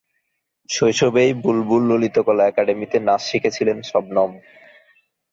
শৈশবেই বুলবুল ললিতকলা একাডেমিতে নাচ শিখেছিলেন শবনম।